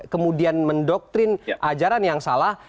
kemudian mendoktrin ajaran yang salah